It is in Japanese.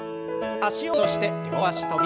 脚を戻して両脚跳び。